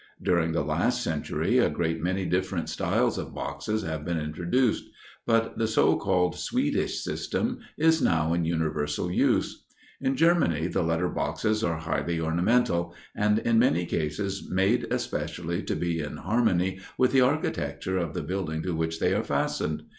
During the last century a great many different styles of boxes have been introduced, but the so called Swedish system is now in universal use. In Germany the letter boxes are highly ornamental, and in many cases made especially to be in harmony with the architecture of the building to which they are fastened.